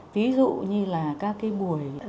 ví dụ như là các cái mùi rượu